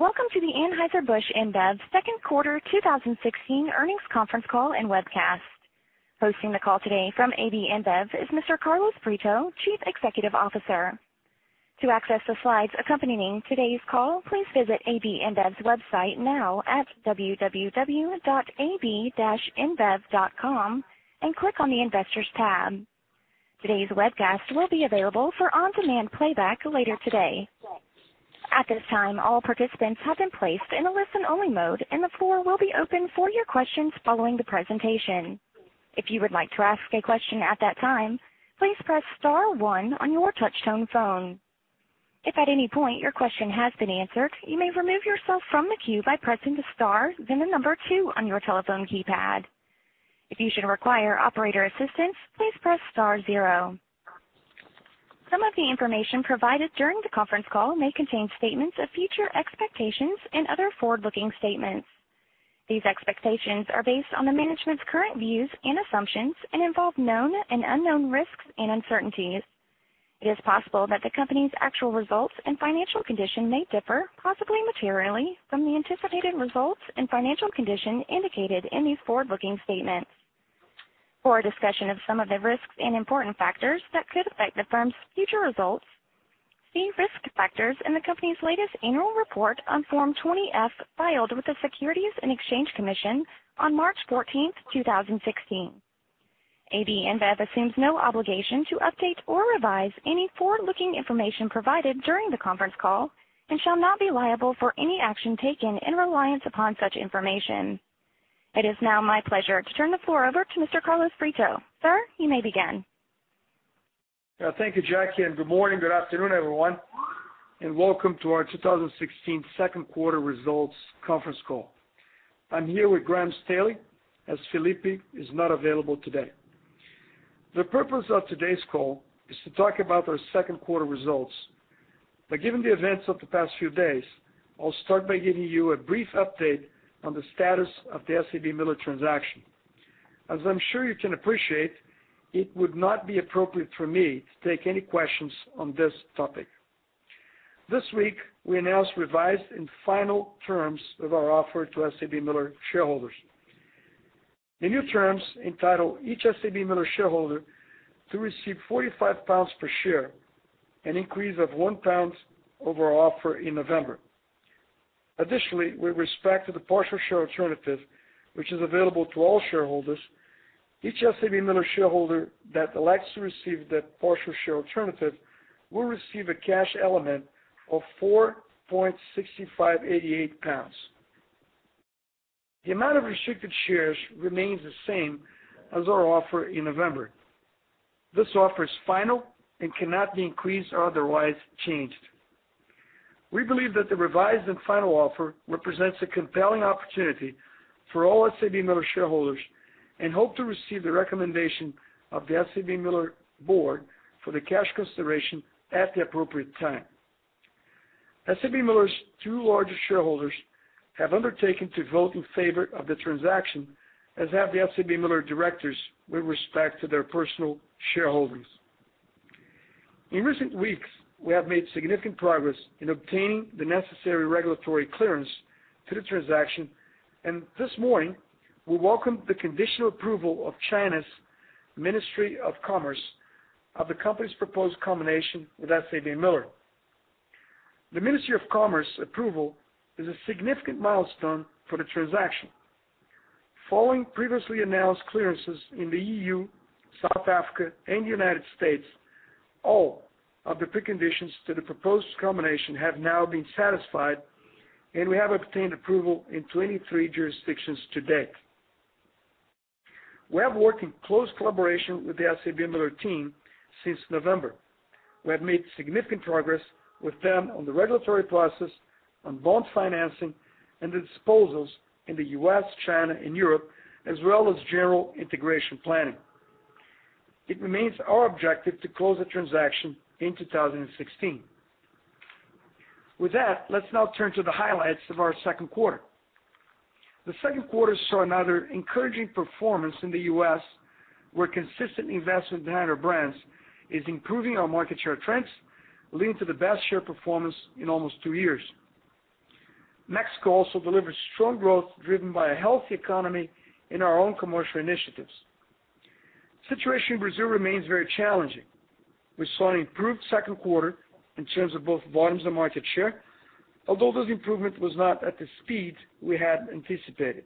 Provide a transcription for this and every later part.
Welcome to the Anheuser-Busch InBev second quarter 2016 earnings conference call and webcast. Hosting the call today from AB InBev is Mr. Carlos Brito, Chief Executive Officer. To access the slides accompanying today's call, please visit ab-inbev.com now at www.ab-inbev.com and click on the Investors tab. Today's webcast will be available for on-demand playback later today. At this time, all participants have been placed in a listen-only mode, and the floor will be open for your questions following the presentation. If you would like to ask a question at that time, please press star one on your touch-tone phone. If at any point your question has been answered, you may remove yourself from the queue by pressing the star, then the number two on your telephone keypad. If you should require operator assistance, please press star zero. Some of the information provided during the conference call may contain statements of future expectations and other forward-looking statements. These expectations are based on the management's current views and assumptions and involve known and unknown risks and uncertainties. It is possible that the company's actual results and financial condition may differ, possibly materially, from the anticipated results and financial condition indicated in these forward-looking statements. For a discussion of some of the risks and important factors that could affect the firm's future results, see risk factors in the company's latest annual report on Form 20-F filed with the Securities and Exchange Commission on March 14th, 2016. AB InBev assumes no obligation to update or revise any forward-looking information provided during the conference call and shall not be liable for any action taken in reliance upon such information. It is now my pleasure to turn the floor over to Mr. Carlos Brito. Sir, you may begin. Thank you, Jackie, and good morning, good afternoon, everyone, and welcome to our 2016 second quarter results conference call. I'm here with Graham Staley, as Felipe is not available today. The purpose of today's call is to talk about our second quarter results. Given the events of the past few days, I'll start by giving you a brief update on the status of the SABMiller transaction. As I'm sure you can appreciate, it would not be appropriate for me to take any questions on this topic. This week, we announced revised and final terms of our offer to SABMiller shareholders. The new terms entitle each SABMiller shareholder to receive 45 pounds per share, an increase of 1 pound over our offer in November. Additionally, with respect to the partial share alternative, which is available to all shareholders, each SABMiller shareholder that elects to receive that partial share alternative will receive a cash element of £4.6588. The amount of restricted shares remains the same as our offer in November. This offer is final and cannot be increased or otherwise changed. We believe that the revised and final offer represents a compelling opportunity for all SABMiller shareholders and hope to receive the recommendation of the SABMiller board for the cash consideration at the appropriate time. SABMiller's two largest shareholders have undertaken to vote in favor of the transaction, as have the SABMiller directors with respect to their personal shareholdings. In recent weeks, we have made significant progress in obtaining the necessary regulatory clearance to the transaction, and this morning, we welcome the conditional approval of China's Ministry of Commerce of the company's proposed combination with SABMiller. The Ministry of Commerce approval is a significant milestone for the transaction. Following previously announced clearances in the EU, South Africa, and the United States, all of the preconditions to the proposed combination have now been satisfied, and we have obtained approval in 23 jurisdictions to date. We have worked in close collaboration with the SABMiller team since November. We have made significant progress with them on the regulatory process, on bond financing, and the disposals in the U.S., China, and Europe, as well as general integration planning. It remains our objective to close the transaction in 2016. With that, let's now turn to the highlights of our second quarter. The second quarter saw another encouraging performance in the U.S., where consistent investment behind our brands is improving our market share trends, leading to the best share performance in almost two years. Mexico also delivered strong growth, driven by a healthy economy and our own commercial initiatives. The situation in Brazil remains very challenging. We saw an improved second quarter in terms of both volumes and market share, although this improvement was not at the speed we had anticipated.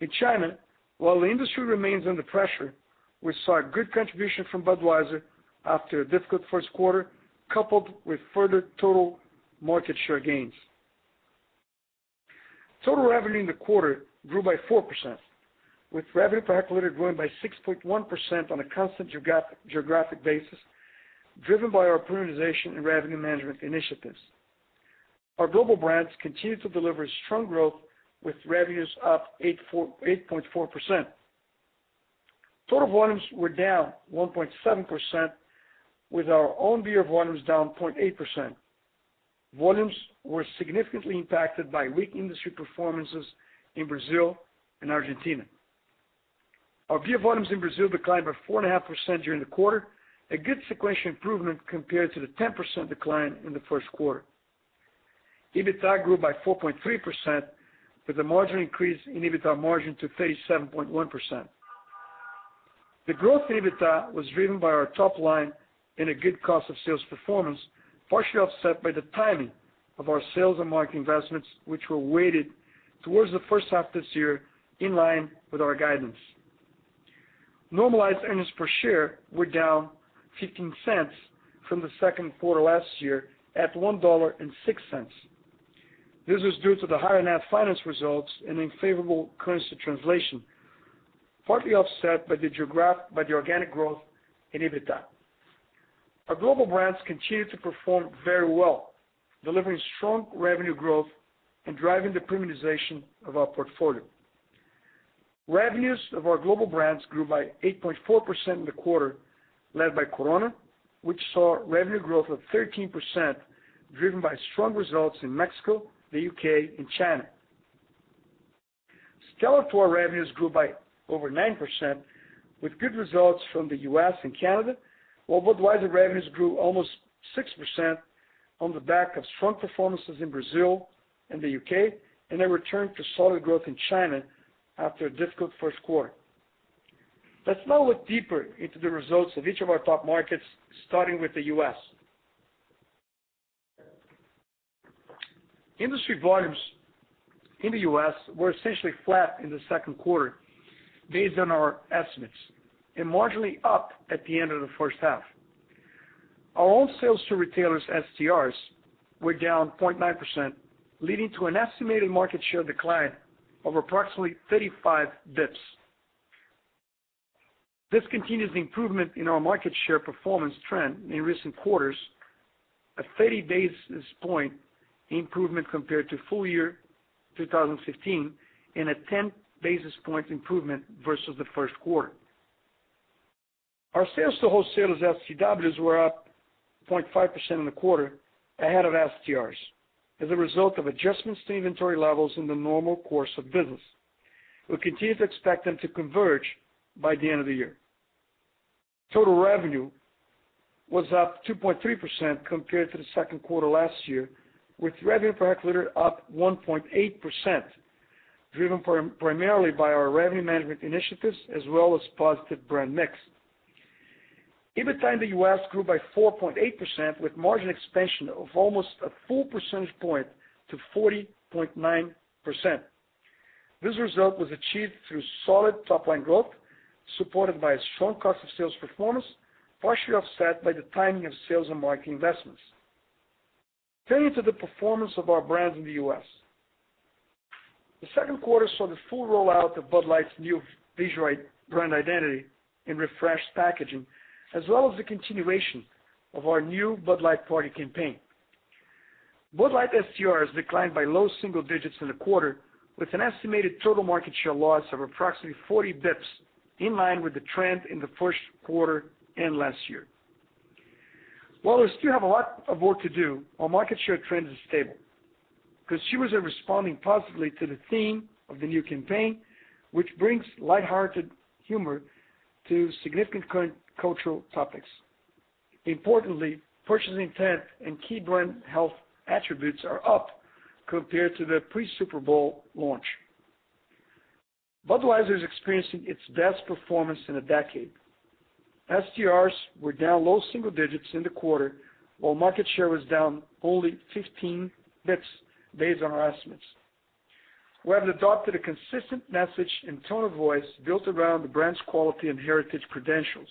In China, while the industry remains under pressure, we saw a good contribution from Budweiser after a difficult first quarter, coupled with further total market share gains. Total revenue in the quarter grew by 4%, with revenue per hectoliter growing by 6.1% on a constant geographic basis, driven by our premiumization and revenue management initiatives. Our Global brands continued to deliver strong growth, with revenues up 8.4%. Total volumes were down 1.7%, with our own beer volumes down 0.8%. Volumes were significantly impacted by weak industry performances in Brazil and Argentina. Our beer volumes in Brazil declined by 4.5% during the quarter, a good sequential improvement compared to the 10% decline in the first quarter. EBITDA grew by 4.3% with a marginal increase in EBITDA margin to 37.1%. The growth in EBITDA was driven by our top line and a good cost of sales performance, partially offset by the timing of our sales and marketing investments, which were weighted towards the first half this year in line with our guidance. Normalized earnings per share were down $0.15 from the second quarter last year at $1.06. This was due to the higher net finance results and an unfavorable currency translation, partly offset by the organic growth in EBITDA. Our global brands continued to perform very well, delivering strong revenue growth and driving the premiumization of our portfolio. Revenues of our global brands grew by 8.4% in the quarter, led by Corona, which saw revenue growth of 13%, driven by strong results in Mexico, the U.K., and China. Stella Artois revenues grew by over 9% with good results from the U.S. and Canada, while Budweiser revenues grew almost 6% on the back of strong performances in Brazil and the U.K., and a return to solid growth in China after a difficult first quarter. Let's now look deeper into the results of each of our top markets, starting with the U.S. Industry volumes in the U.S. were essentially flat in the second quarter based on our estimates, and marginally up at the end of the first half. Our own sales to retailers, STRs, were down 0.9%, leading to an estimated market share decline of approximately 35 basis points. This continues the improvement in our market share performance trend in recent quarters at 30 basis point improvement compared to full year 2015 and a 10 basis point improvement versus the first quarter. Our sales to wholesalers, STWs, were up 0.5% in the quarter ahead of STRs as a result of adjustments to inventory levels in the normal course of business. We continue to expect them to converge by the end of the year. Total revenue was up 2.3% compared to the second quarter last year, with revenue per hectoliter up 1.8%, driven primarily by our revenue management initiatives as well as positive brand mix. EBITDA in the U.S. grew by 4.8% with margin expansion of almost a full percentage point to 40.9%. This result was achieved through solid top-line growth, supported by a strong cost of sales performance, partially offset by the timing of sales and marketing investments. Turning to the performance of our brands in the U.S. The second quarter saw the full rollout of Bud Light's new visual rebrand identity and refreshed packaging, as well as the continuation of our new Bud Light party campaign. Bud Light STRs declined by low single digits in the quarter, with an estimated total market share loss of approximately 40 basis points, in line with the trend in the first quarter and last year. While we still have a lot of work to do, our market share trend is stable. Consumers are responding positively to the theme of the new campaign, which brings lighthearted humor to significant cultural topics. Importantly, purchasing intent and key brand health attributes are up compared to the pre-Super Bowl launch. Budweiser is experiencing its best performance in a decade. STRs were down low single digits in the quarter, while market share was down only 15 basis points based on our estimates. We have adopted a consistent message and tone of voice built around the brand's quality and heritage credentials.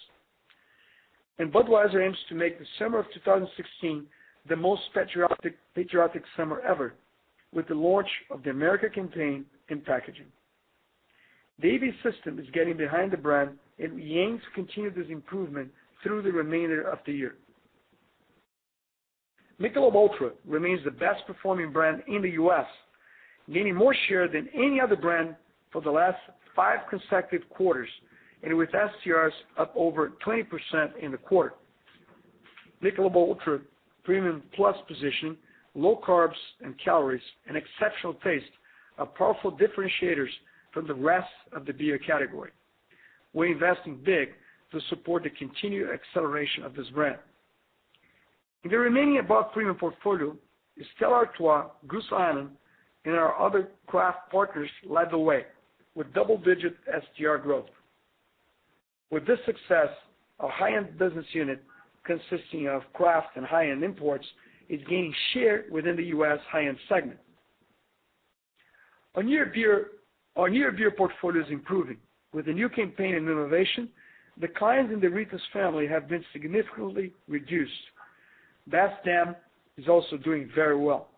Budweiser aims to make the summer of 2016 the most patriotic summer ever with the launch of the America campaign and packaging. The AB system is getting behind the brand, and we aim to continue this improvement through the remainder of the year. Michelob ULTRA remains the best-performing brand in the U.S., gaining more share than any other brand for the last five consecutive quarters, and with STRs up over 20% in the quarter. Michelob ULTRA premium plus position, low carbs and calories, and exceptional taste are powerful differentiators from the rest of the beer category. We're investing big to support the continued acceleration of this brand. In the remaining above premium portfolio, Stella Artois, Goose Island, and our other craft partners led the way with double-digit STR growth. With this success, our high-end business unit consisting of craft and high-end imports is gaining share within the U.S. high-end segment. Our near beer portfolio is improving. With the new campaign and renovation, declines in the Ritas family have been significantly reduced. Best Damn is also doing very well.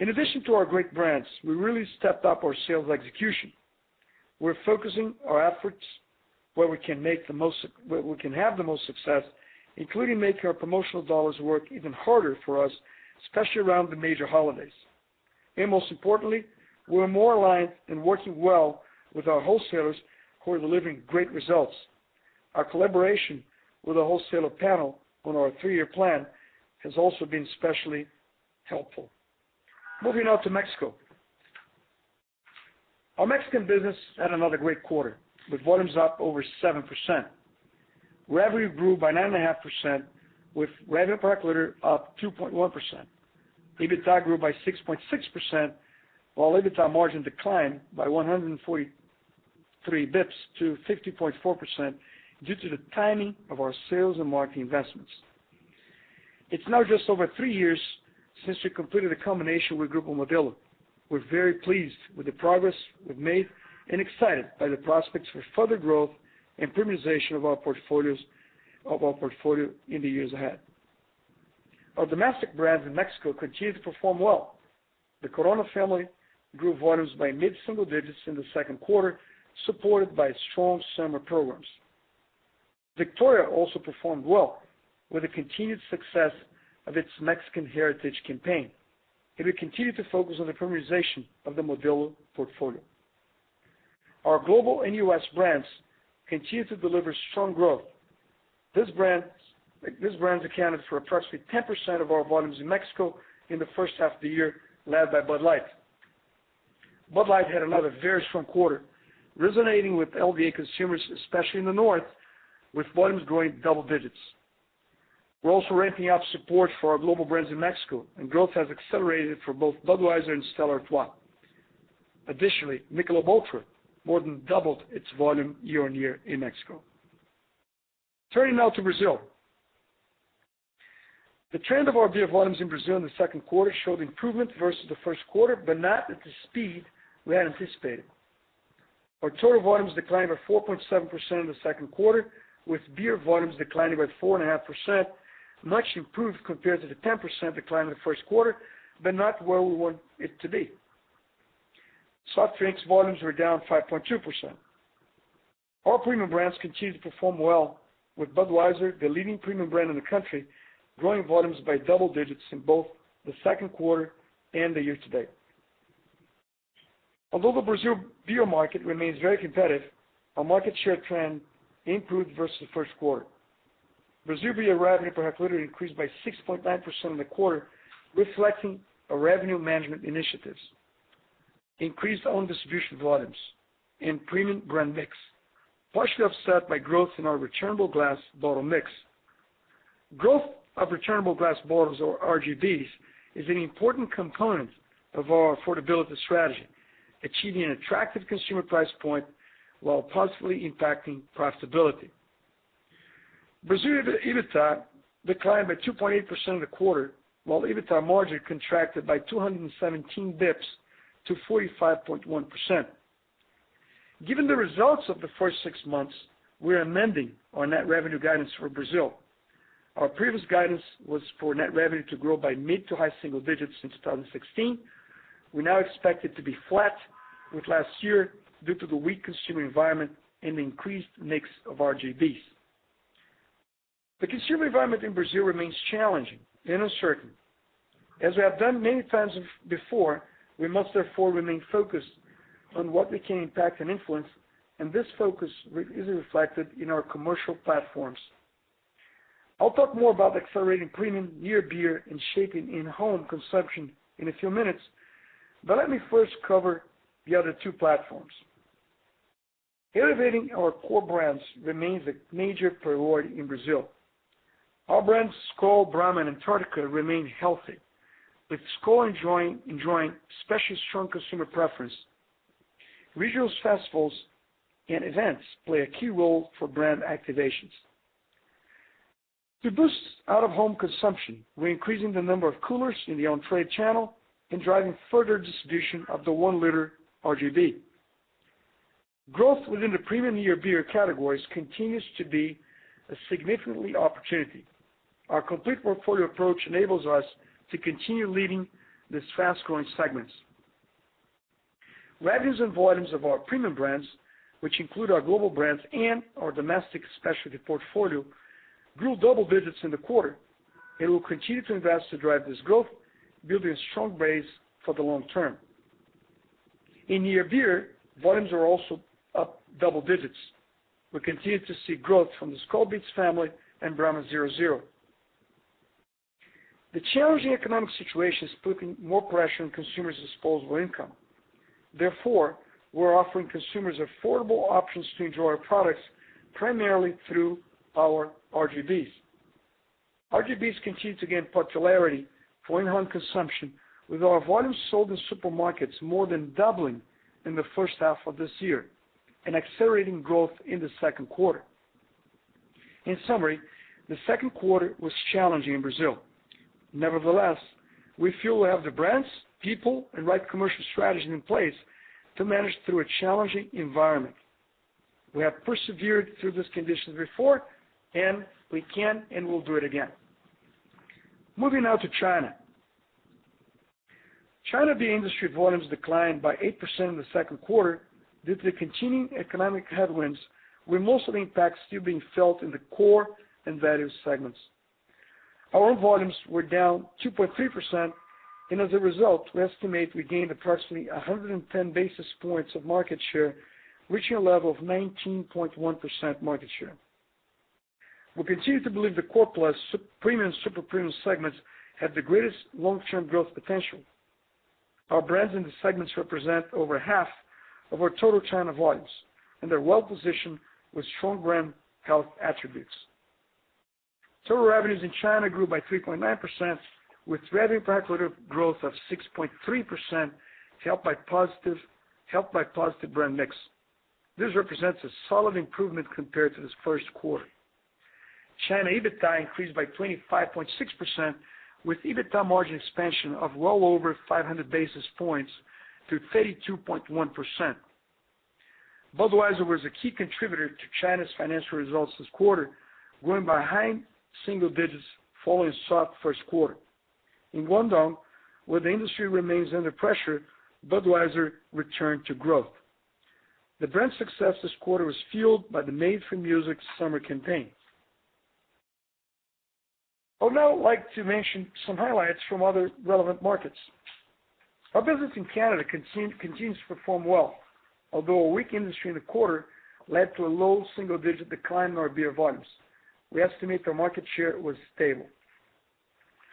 In addition to our great brands, we really stepped up our sales execution. We're focusing our efforts where we can have the most success, including making our promotional dollars work even harder for us, especially around the major holidays. Most importantly, we're more aligned and working well with our wholesalers who are delivering great results. Our collaboration with the wholesaler panel on our 3-year plan has also been especially helpful. Moving now to Mexico. Our Mexican business had another great quarter, with volumes up over 7%. Revenue grew by 9.5%, with revenue per hectoliter up 2.1%. EBITDA grew by 6.6%, while EBITDA margin declined by 143 basis points to 50.4% due to the timing of our sales and marketing investments. It's now just over 3 years since we completed the combination with Grupo Modelo. We're very pleased with the progress we've made and excited by the prospects for further growth and premiumization of our portfolio in the years ahead. Our domestic brands in Mexico continue to perform well. The Corona family grew volumes by mid-single digits in the second quarter, supported by strong summer programs. Victoria also performed well with the continued success of its Mexican Heritage campaign, and we continue to focus on the premiumization of the Modelo portfolio. Our global and U.S. brands continue to deliver strong growth. These brands accounted for approximately 10% of our volumes in Mexico in the first half of the year, led by Bud Light. Bud Light had another very strong quarter resonating with LDA consumers, especially in the north, with volumes growing double-digits. We're also ramping up support for our global brands in Mexico, and growth has accelerated for both Budweiser and Stella Artois. Additionally, Michelob ULTRA more than doubled its volume year-on-year in Mexico. Turning now to Brazil. The trend of our beer volumes in Brazil in the second quarter showed improvement versus the first quarter, but not at the speed we had anticipated. Our total volumes declined by 4.7% in the second quarter, with beer volumes declining by 4.5%, much improved compared to the 10% decline in the first quarter, but not where we want it to be. Soft drinks volumes were down 5.2%. Our premium brands continue to perform well with Budweiser, the leading premium brand in the country, growing volumes by double-digits in both the second quarter and the year to date. Although the Brazil beer market remains very competitive, our market share trend improved versus the first quarter. Brazil beer revenue per hectoliter increased by 6.9% in the quarter, reflecting our revenue management initiatives, increased own distribution volumes, and premium brand mix, partially offset by growth in our returnable glass bottle mix. Growth of returnable glass bottles or RGBs is an important component of our affordability strategy, achieving an attractive consumer price point while positively impacting profitability. Brazilian EBITDA declined by 2.8% in the quarter, while EBITDA margin contracted by 217 basis points to 45.1%. Given the results of the first six months, we're amending our net revenue guidance for Brazil. Our previous guidance was for net revenue to grow by mid to high single digits in 2016. We now expect it to be flat with last year due to the weak consumer environment and increased mix of RGBs. The consumer environment in Brazil remains challenging and uncertain. As we have done many times before, we must therefore remain focused on what we can impact and influence, and this focus is reflected in our commercial platforms. I'll talk more about accelerating premium near beer and shaping in-home consumption in a few minutes. Let me first cover the other two platforms. Elevating our core brands remains a major priority in Brazil. Our brands SKOL, Brahma, and Antarctica remain healthy, with SKOL enjoying especially strong consumer preference. Regional festivals and events play a key role for brand activations. To boost out-of-home consumption, we're increasing the number of coolers in the on-trade channel and driving further distribution of the one-liter RGB. Growth within the premium near beer categories continues to be a significant opportunity. Our complete portfolio approach enables us to continue leading these fast-growing segments. Revenues and volumes of our premium brands, which include our global brands and our domestic specialty portfolio, grew double digits in the quarter and will continue to invest to drive this growth, building a strong base for the long term. In near beer, volumes are also up double digits. We continue to see growth from the SKOL Beats family and Brahma 0.0. The challenging economic situation is putting more pressure on consumers' disposable income. We're offering consumers affordable options to enjoy our products, primarily through our RGBs. RGBs continue to gain popularity for in-home consumption, with our volumes sold in supermarkets more than doubling in the first half of this year and accelerating growth in the second quarter. In summary, the second quarter was challenging in Brazil. Nevertheless, we feel we have the brands, people, and right commercial strategies in place to manage through a challenging environment. We have persevered through these conditions before, and we can and will do it again. Moving now to China. China beer industry volumes declined by eight percent in the second quarter due to the continuing economic headwinds, with most of the impact still being felt in the core and value segments. Our volumes were down 2.3%. As a result, we estimate we gained approximately 110 basis points of market share, reaching a level of 19.1% market share. We continue to believe the core plus premium super premium segments have the greatest long-term growth potential. Our brands in the segments represent over half of our total China volumes, and are well-positioned with strong brand health attributes. Total revenues in China grew by 3.9%, with revenue per hectolitre growth of 6.3%, helped by positive brand mix. This represents a solid improvement compared to this first quarter. China EBITDA increased by 25.6%, with EBITDA margin expansion of well over 500 basis points to 32.1%. Budweiser was a key contributor to China's financial results this quarter, growing by high single digits following a soft first quarter. In Guangdong, where the industry remains under pressure, Budweiser returned to growth. The brand's success this quarter was fueled by the Made for Music summer campaign. I would now like to mention some highlights from other relevant markets. Our business in Canada continues to perform well, although a weak industry in the quarter led to a low single-digit decline in our beer volumes. We estimate our market share was stable.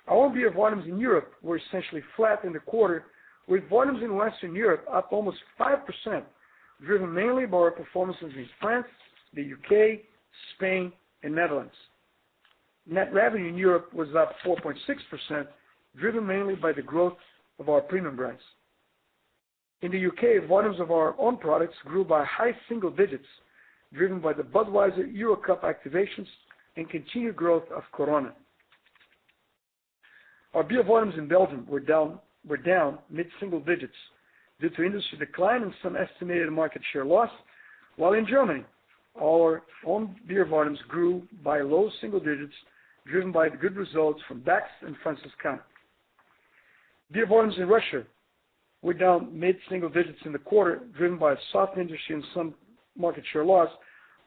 Our beer volumes in Europe were essentially flat in the quarter, with volumes in Western Europe up almost 5%, driven mainly by our performances in France, the U.K., Spain, and Netherlands. Net revenue in Europe was up 4.6%, driven mainly by the growth of our premium brands. In the U.K., volumes of our own products grew by high single digits, driven by the Budweiser Euro Cup activations and continued growth of Corona. Our beer volumes in Belgium were down mid-single digits due to industry decline and some estimated market share loss. While in Germany, our own beer volumes grew by low single digits, driven by the good results from Beck's and Franziskaner. Beer volumes in Russia were down mid-single digits in the quarter, driven by a soft industry and some market share loss,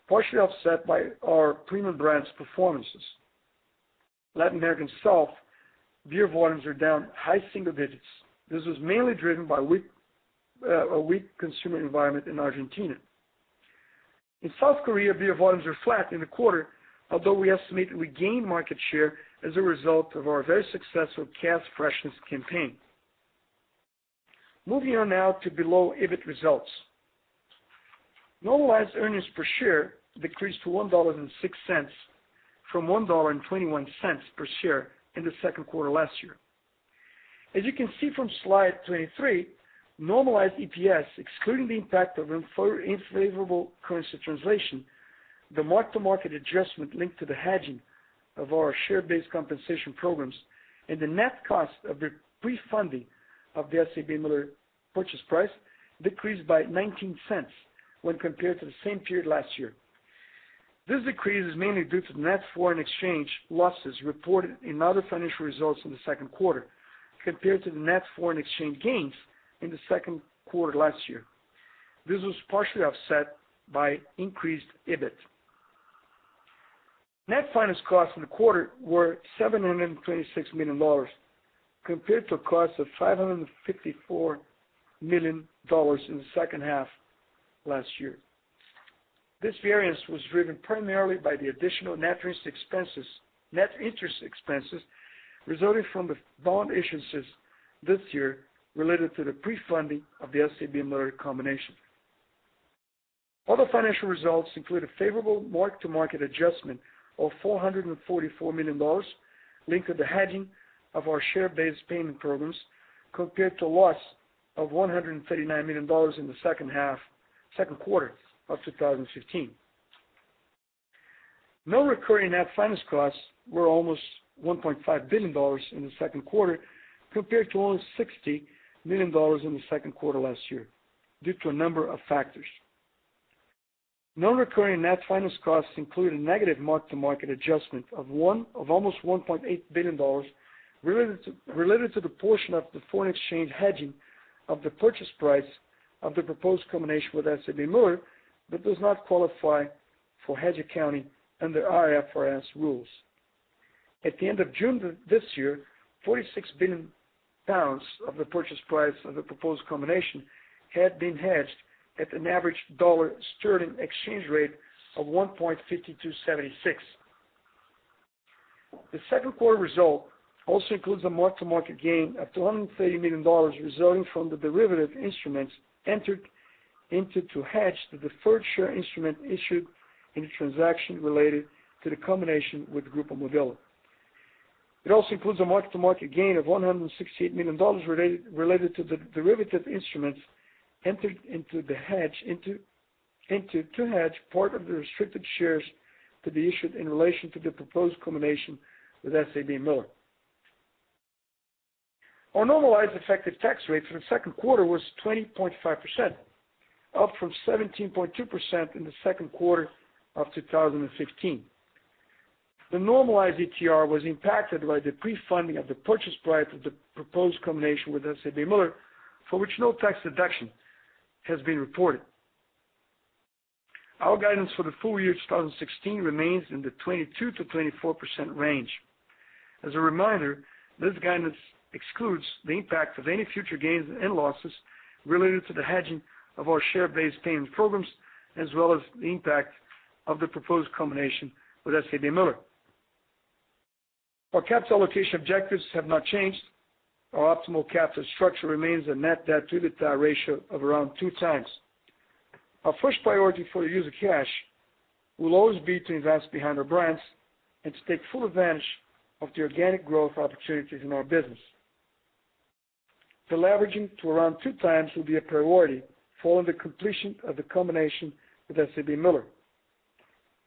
partially offset by our premium brands' performances. Latin America South beer volumes are down high single digits. This was mainly driven by a weak consumer environment in Argentina. In South Korea, beer volumes were flat in the quarter, although we estimate we gained market share as a result of our very successful Cass Freshness campaign. Moving on now to below EBIT results. Normalized earnings per share decreased to $1.06 from $1.21 per share in the second quarter last year. As you can see from slide 23, normalized EPS, excluding the impact of unfavorable currency translation, the mark-to-market adjustment linked to the hedging of our share-based compensation programs, and the net cost of the pre-funding of the SABMiller purchase price decreased by $0.19 when compared to the same period last year. This decrease is mainly due to net foreign exchange losses reported in other financial results in the second quarter, compared to the net foreign exchange gains in the second quarter last year. This was partially offset by increased EBIT. Net finance costs in the quarter were GBP 726 million, compared to a cost of GBP 554 million in the second half last year. This variance was driven primarily by the additional net interest expenses resulting from the bond issuances this year related to the pre-funding of the SABMiller combination. Other financial results include a favorable mark-to-market adjustment of GBP 444 million linked to the hedging of our share-based payment programs, compared to a loss of GBP 139 million in the second quarter of 2015. Non-recurring net finance costs were almost GBP 1.5 billion in the second quarter, compared to only GBP 60 million in the second quarter last year due to a number of factors. Non-recurring net finance costs include a negative mark-to-market adjustment of almost GBP 1.8 billion related to the portion of the foreign exchange hedging of the purchase price of the proposed combination with SABMiller, but does not qualify for hedge accounting under IFRS rules. At the end of June this year, 46 billion pounds of the purchase price of the proposed combination had been hedged at an average U.S. dollar sterling exchange rate of 1.5276. The second quarter result also includes a mark-to-market gain of $230 million resulting from the derivative instruments entered into to hedge the deferred share instrument issued in the transaction related to the combination with Grupo Modelo. It also includes a mark-to-market gain of $168 million related to the derivative instruments entered into to hedge part of the restricted shares to be issued in relation to the proposed combination with SABMiller. Our normalized effective tax rate for the second quarter was 20.5%, up from 17.2% in the second quarter of 2015. The normalized ETR was impacted by the pre-funding of the purchase price of the proposed combination with SABMiller, for which no tax deduction has been reported. Our guidance for the full year 2016 remains in the 22%-24% range. As a reminder, this guidance excludes the impact of any future gains and losses related to the hedging of our share-based payment programs, as well as the impact of the proposed combination with SABMiller. Our capital allocation objectives have not changed. Our optimal capital structure remains a net debt to EBITDA ratio of around two times. Our first priority for the use of cash will always be to invest behind our brands and to take full advantage of the organic growth opportunities in our business. Deleveraging to around two times will be a priority following the completion of the combination with SABMiller.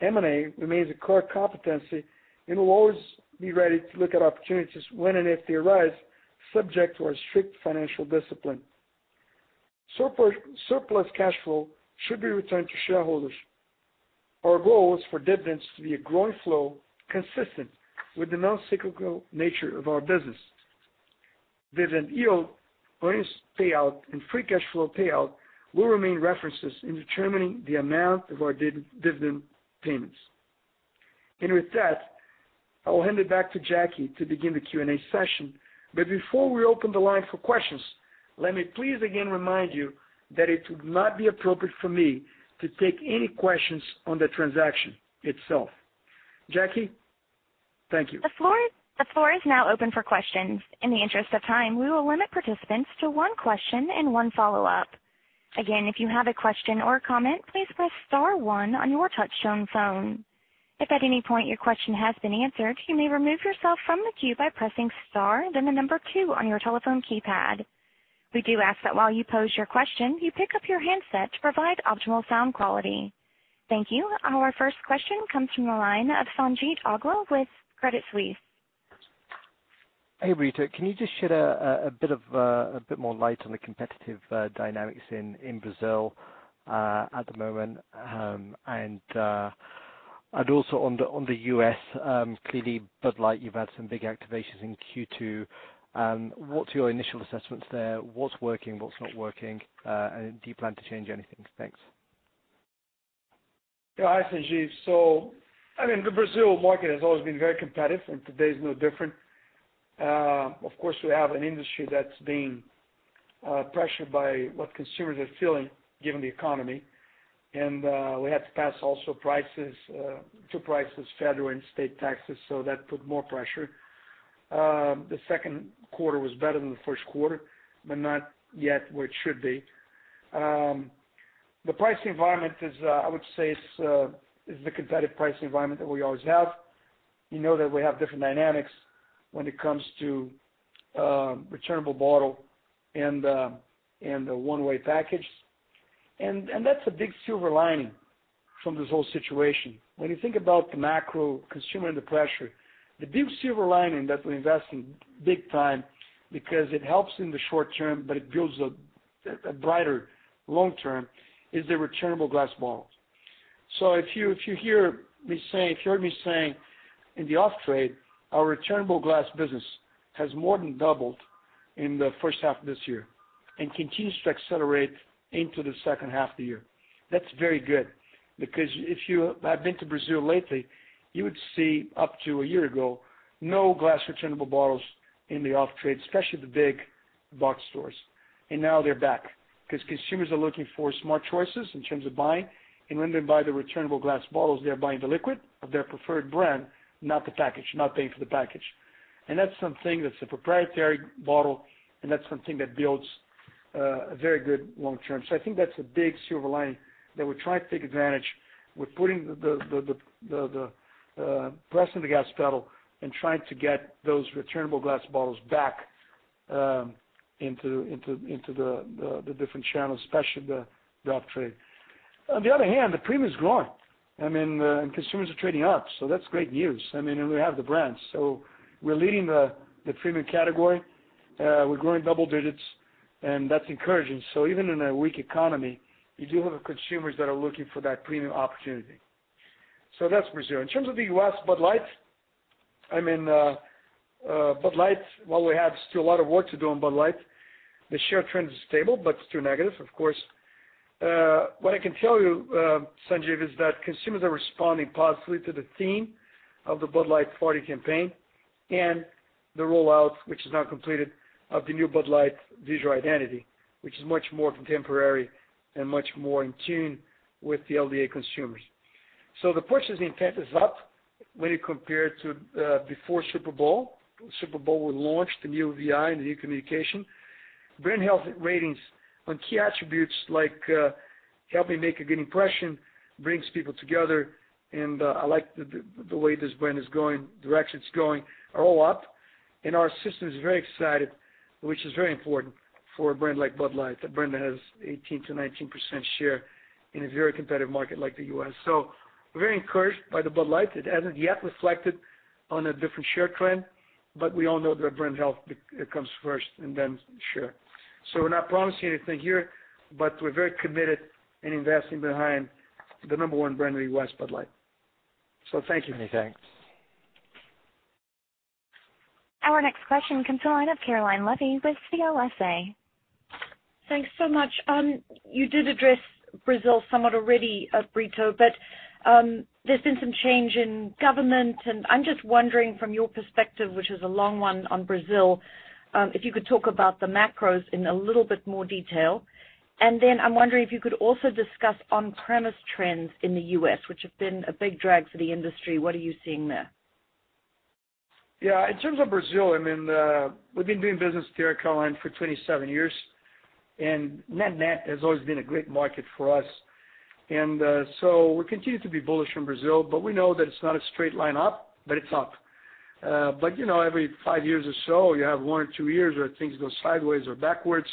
M&A remains a core competency. We'll always be ready to look at opportunities when and if they arise, subject to our strict financial discipline. Surplus cash flow should be returned to shareholders. Our goal is for dividends to be a growing flow consistent with the non-cyclical nature of our business. Dividend yield, earnings payout, and free cash flow payout will remain references in determining the amount of our dividend payments. With that, I will hand it back to Jackie to begin the Q&A session. Before we open the line for questions, let me please again remind you that it would not be appropriate for me to take any questions on the transaction itself. Jackie, thank you. The floor is now open for questions. In the interest of time, we will limit participants to one question and one follow-up. Again, if you have a question or comment, please press star one on your touchtone phone. If at any point your question has been answered, you may remove yourself from the queue by pressing star, then the number 2 on your telephone keypad. We do ask that while you pose your question, you pick up your handset to provide optimal sound quality. Thank you. Our first question comes from the line of Sanjeet Aujla with Credit Suisse. Hey, Brito. Can you just shed a bit more light on the competitive dynamics in Brazil at the moment? Also on the U.S., clearly Bud Light, you've had some big activations in Q2. What's your initial assessments there? What's working? What's not working? Do you plan to change anything? Thanks. Yeah. Hi, Sanjeet. The Brazil market has always been very competitive, and today is no different. Of course, we have an industry that's being pressured by what consumers are feeling, given the economy. We had to pass also two prices, federal and state taxes, so that put more pressure. The second quarter was better than the first quarter, but not yet where it should be. The pricing environment, I would say, is the competitive pricing environment that we always have. You know that we have different dynamics when it comes to returnable bottle and the one-way package. That's a big silver lining from this whole situation. When you think about the macro consumer and the pressure, the big silver lining that we invest in big time because it helps in the short term, but it builds a brighter long term, is the returnable glass bottles. If you heard me saying in the off-trade, our returnable glass business has more than doubled in the first half of this year and continues to accelerate into the second half of the year. That's very good because if you have been to Brazil lately, you would see up to a year ago, no glass returnable bottles in the off-trade, especially the big box stores. Now they're back because consumers are looking for smart choices in terms of buying. When they buy the returnable glass bottles, they're buying the liquid of their preferred brand, not the package, not paying for the package. That's something that's a proprietary bottle, and that's something that builds a very good long term. I think that's a big silver lining that we're trying to take advantage. We're pressing the gas pedal and trying to get those returnable glass bottles back into the different channels, especially the off-trade. On the other hand, the premium is growing. Consumers are trading up. That's great news. We have the brands. We're leading the premium category. We're growing double digits, and that's encouraging. Even in a weak economy, you do have consumers that are looking for that premium opportunity. That's Brazil. In terms of the U.S. Bud Light, while we have still a lot of work to do on Bud Light, the share trend is stable but still negative, of course. What I can tell you, Sanjiv, is that consumers are responding positively to the theme of the Bud Light party campaign and the rollout, which is now completed, of the new Bud Light visual identity, which is much more contemporary and much more in tune with the LDA consumers. The purchase intent is up when you compare it to before Super Bowl. Super Bowl, we launched the new VI and the new communication. Brand health ratings on key attributes like help me make a good impression, brings people together, and I like the way this brand is going, direction it's going, are all up. Our system is very excited, which is very important for a brand like Bud Light, a brand that has 18%-19% share in a very competitive market like the U.S. We're very encouraged by the Bud Light. It hasn't yet reflected on a different share trend, we all know that brand health comes first and then share. We're not promising anything here, but we're very committed in investing behind the number one brand in the U.S., Bud Light. Thank you. Many thanks. Our next question comes to the line of Caroline Levy with CLSA. Thanks so much. You did address Brazil somewhat already, Brito, there's been some change in government, I'm just wondering from your perspective, which is a long one on Brazil, if you could talk about the macros in a little bit more detail. I'm wondering if you could also discuss on-premise trends in the U.S., which have been a big drag for the industry. What are you seeing there? Yeah. In terms of Brazil, we've been doing business there, Caroline, for 27 years, net has always been a great market for us. We continue to be bullish on Brazil, we know that it's not a straight line up, it's up. Every five years or so, you have one or two years where things go sideways or backwards,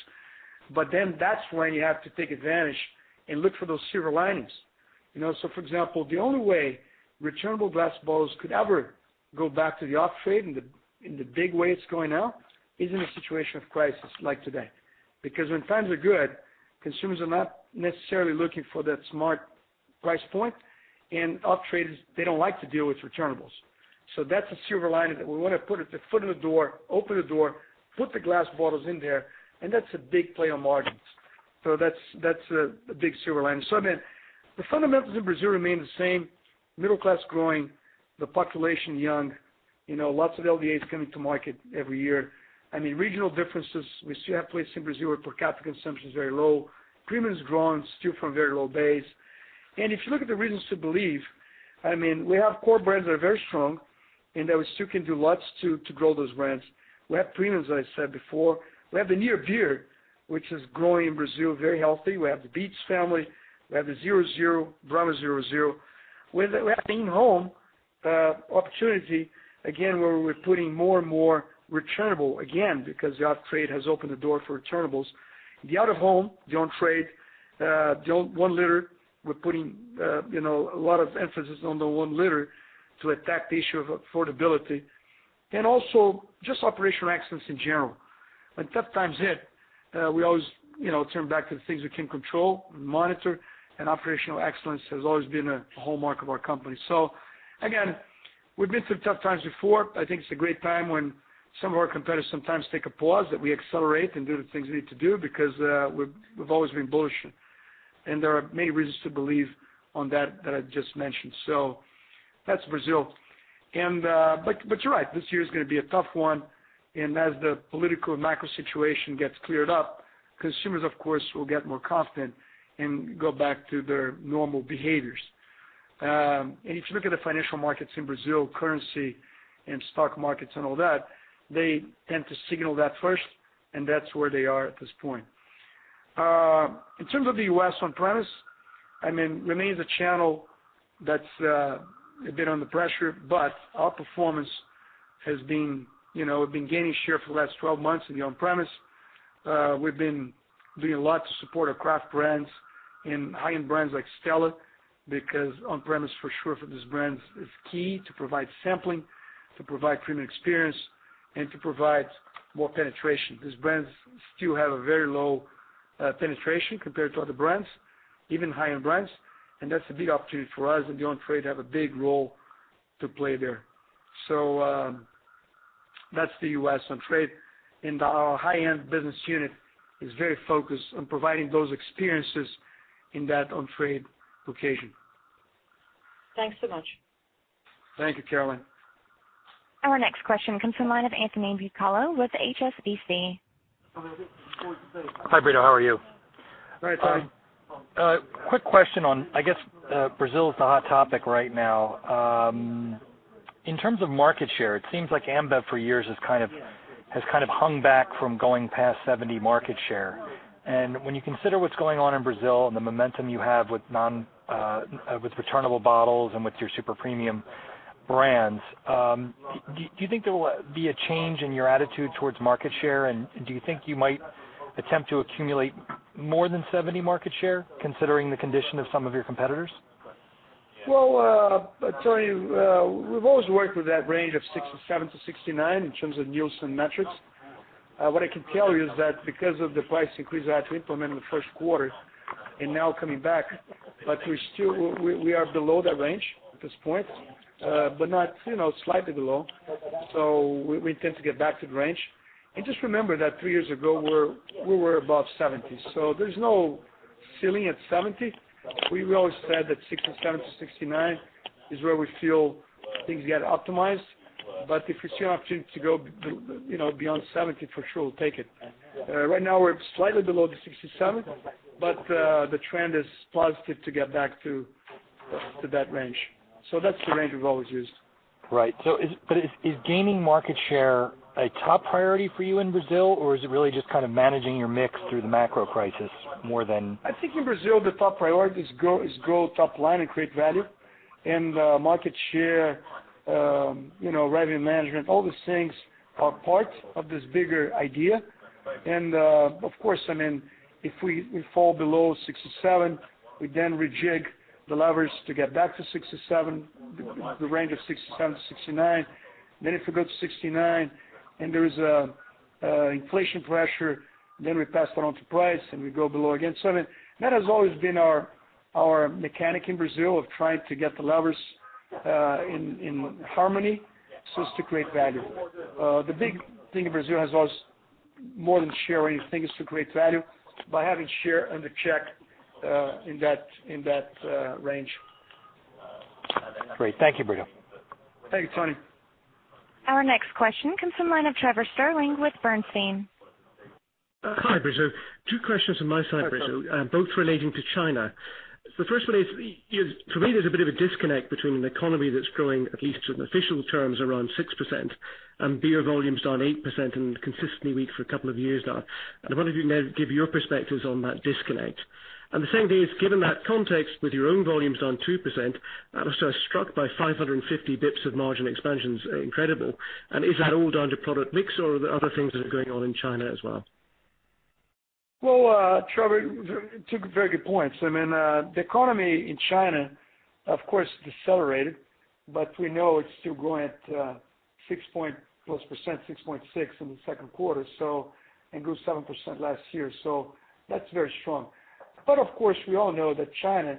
that's when you have to take advantage and look for those silver linings. For example, the only way returnable glass bottles could ever go back to the off-trade in the big way it's going now is in a situation of crisis like today. Because when times are good, consumers are not necessarily looking for that smart price point and off-trades, they don't like to deal with returnables. That's a silver lining that we want to put at the foot of the door, open the door, put the glass bottles in there, that's a big play on margins. That's a big silver lining. I mean, the fundamentals in Brazil remain the same, middle class growing, the population young, lots of LDAs coming to market every year. I mean, regional differences, we still have places in Brazil where per capita consumption is very low. Premium's growing still from a very low base. If you look at the reasons to believe, I mean, we have core brands that are very strong, that we still can do lots to grow those brands. We have premiums, as I said before. We have the near beer, which is growing in Brazil, very healthy. We have the Beats family, we have the 0.0, Brahma 0.0. We have the in-home opportunity, again, where we're putting more and more returnable, again, because the off-trade has opened the door for returnables. The out-of-home, the on-trade, the one liter, we're putting a lot of emphasis on the one liter to attack the issue of affordability. Also just operational excellence in general. When tough times hit, we always turn back to the things we can control and monitor, operational excellence has always been a hallmark of our company. Again, we've been through tough times before. I think it's a great time when some of our competitors sometimes take a pause, that we accelerate and do the things we need to do because we've always been bullish. There are many reasons to believe on that I just mentioned. That's Brazil. You're right, this year is going to be a tough one, as the political and macro situation gets cleared up, consumers of course will get more confident and go back to their normal behaviors. If you look at the financial markets in Brazil, currency and stock markets and all that, they tend to signal that first, and that's where they are at this point. In terms of the U.S. on-premise, it remains a channel that's a bit under pressure, but our performance has been gaining share for the last 12 months in the on-premise. We've been doing a lot to support our craft brands and high-end brands like Stella because on-premise for sure for these brands is key to provide sampling, to provide premium experience, and to provide more penetration. These brands still have a very low penetration compared to other brands, even high-end brands, that's a big opportunity for us and the on-trade have a big role to play there. That's the U.S. on-trade. Our high-end business unit is very focused on providing those experiences in that on-trade location. Thanks so much. Thank you, Caroline. Our next question comes from the line of Anthony Bucalo with HSBC. Hi, Brito. How are you? Hi, Tony. Quick question on, I guess, Brazil is the hot topic right now. In terms of market share, it seems like Ambev for years has kind of hung back from going past 70 market share. When you consider what's going on in Brazil and the momentum you have with returnable bottles and with your super premium brands, do you think there will be a change in your attitude towards market share, and do you think you might attempt to accumulate more than 70 market share considering the condition of some of your competitors? Well, Tony, we've always worked with that range of 67 to 69 in terms of Nielsen metrics. What I can tell you is that because of the price increase we had to implement in the first quarter and now coming back, we are below that range at this point. Slightly below. We intend to get back to the range. Just remember that three years ago, we were above 70. There's no ceiling at 70. We always said that 67 to 69 is where we feel things get optimized. If we see an opportunity to go beyond 70, for sure we'll take it. Right now, we're slightly below the 67, the trend is positive to get back to that range. That's the range we've always used. Right. Is gaining market share a top priority for you in Brazil, or is it really just kind of managing your mix through the macro crisis more than- I think in Brazil, the top priority is grow top line and create value. Market share, revenue management, all these things are part of this bigger idea. Of course, if we fall below 67, we then rejig the levers to get back to 67, the range of 67 to 69. If we go to 69 and there is inflation pressure, we then pass that on to price and we go below again. I mean, that has always been our mechanic in Brazil of trying to get the levers in harmony, as to create value. The big thing in Brazil has always more than share anything is to create value by having share under check in that range. Great. Thank you, Brito. Thank you, Tony. Our next question comes from the line of Trevor Stirling with Bernstein. Hi, Brito. Two questions on my side. Hi, Trevor both relating to China. The first one is, for me there's a bit of a disconnect between an economy that's growing, at least in official terms, around 6%, and beer volume's down 8% and consistently weak for a couple of years now. I wonder if you can give your perspectives on that disconnect. The second thing is, given that context with your own volumes down 2%, I was sort of struck by 550 basis points of margin expansion's incredible. Is that all down to product mix or are there other things that are going on in China as well? Well, Trevor, two very good points. The economy in China, of course, decelerated, but we know it's still growing at 6+%, 6.6 in the second quarter, and grew 7% last year. That's very strong. Of course, we all know that China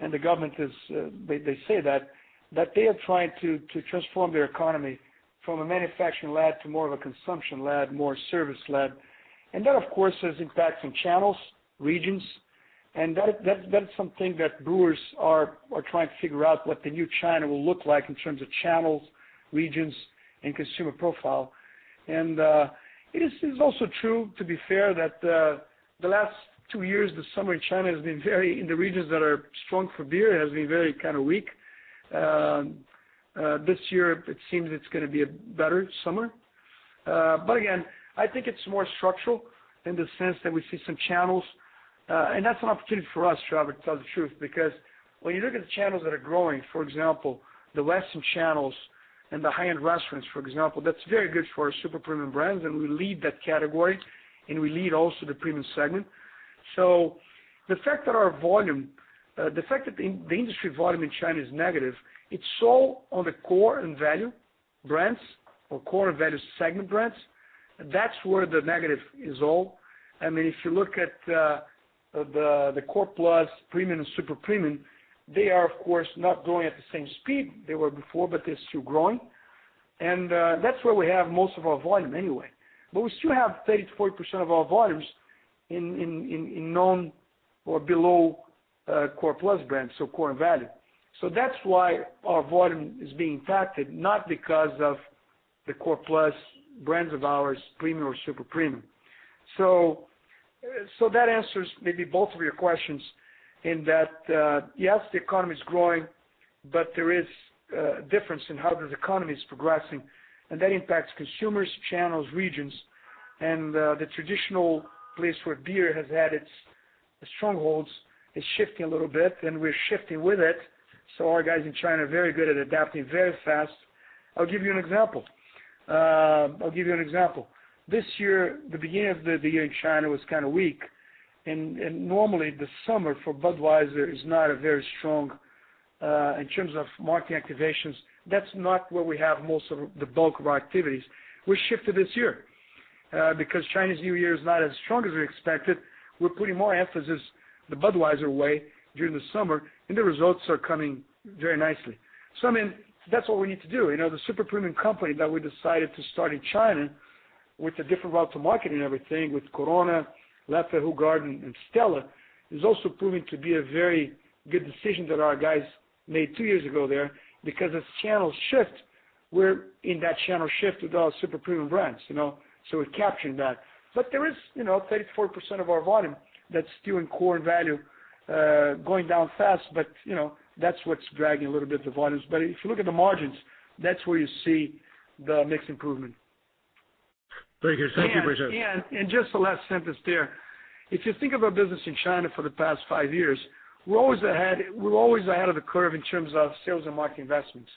and the government, they say that they are trying to transform their economy from a manufacturing-led to more of a consumption-led, more service-led. That, of course, has impact on channels, regions. That is something that brewers are trying to figure out what the new China will look like in terms of channels, regions, and consumer profile. It is also true, to be fair, that the last two years, the summer in China in the regions that are strong for beer, has been very kind of weak. This year it seems it's going to be a better summer. Again, I think it's more structural in the sense that we see some channels. That's an opportunity for us, Trevor, to tell the truth because when you look at the channels that are growing, for example, the western channels and the high-end restaurants, for example, that's very good for our super premium brands and we lead that category, and we lead also the premium segment. The fact that the industry volume in China is negative, it's all on the core and value brands or core and value segment brands. That's where the negative is all. If you look at the core plus premium and super premium, they are, of course, not growing at the same speed they were before, but they're still growing. That's where we have most of our volume anyway. We still have 30%-40% of our volumes in known or below core plus brands, so core and value. That's why our volume is being impacted, not because of the core plus brands of ours, premium or super premium. That answers maybe both of your questions in that, yes, the economy's growing, but there is a difference in how this economy's progressing and that impacts consumers, channels, regions. The traditional place where beer has had its strongholds is shifting a little bit and we're shifting with it. Our guys in China are very good at adapting very fast. I'll give you an example. This year, the beginning of the year in China was kind of weak and normally the summer for Budweiser is not a very strong in terms of market activations. That's not where we have most of the bulk of our activities. We shifted this year because Chinese New Year is not as strong as we expected. We're putting more emphasis the Budweiser way during the summer and the results are coming very nicely. I mean, that's what we need to do. The super premium company that we decided to start in China with a different route to market and everything with Corona, Leffe, Hoegaarden and Stella is also proving to be a very good decision that our guys made two years ago there because as channels shift, we're in that channel shift with our super premium brands. We're capturing that. There is 34% of our volume that's still in core value going down fast, but that's what's dragging a little bit the volumes. If you look at the margins, that's where you see the mix improvement. Very good. Thank you, Brito. Just the last sentence there. If you think of our business in China for the past five years, we're always ahead of the curve in terms of sales and marketing investments.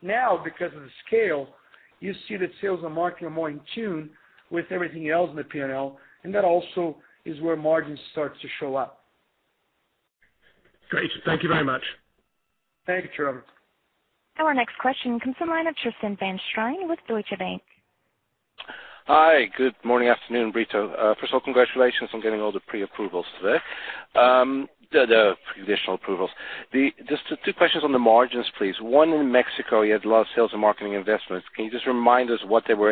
Now, because of the scale, you see that sales and marketing are more in tune with everything else in the P&L and that also is where margin starts to show up. Great. Thank you very much. Thank you, Trevor. Our next question comes from the line of Tristan van Strien with Deutsche Bank. Hi, good morning, afternoon, Brito. First of all, congratulations on getting all the pre-approvals today. The additional approvals. Just two questions on the margins, please. One in Mexico, you had a lot of sales and marketing investments. Can you just remind us what those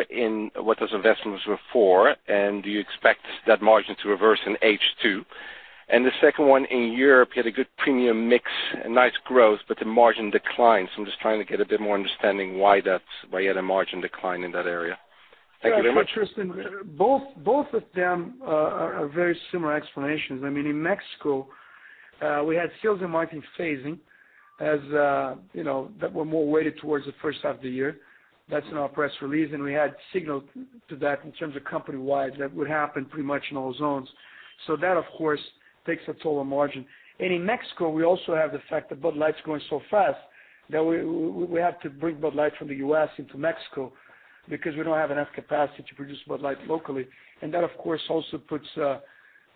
investments were for and do you expect that margin to reverse in H2? The second one in Europe, you had a good premium mix and nice growth, but the margin declined. I am just trying to get a bit more understanding why you had a margin decline in that area. Thank you very much. Sure Tristan, both of them are very similar explanations. In Mexico, we had sales and marketing phasing that were more weighted towards the first half of the year. That's in our press release and we had signaled to that in terms of company-wide that would happen pretty much in all zones. That of course takes a toll on margin. In Mexico we also have the fact that Bud Light's growing so fast that we have to bring Bud Light from the U.S. into Mexico because we don't have enough capacity to produce Bud Light locally and that of course also puts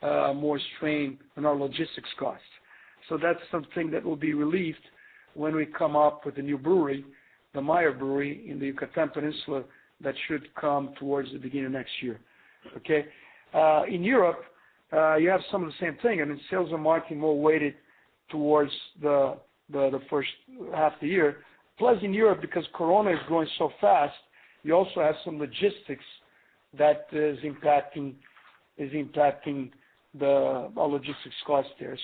more strain on our logistics cost. That's something that will be relieved when we come up with a new brewery, the Maya Brewery in the Yucatán Peninsula that should come towards the beginning of next year. Okay? In Europe you have some of the same thing. In sales and marketing, more weighted towards the first half of the year. In Europe, because Corona is growing so fast, you also have some logistics that is impacting our logistics cost there.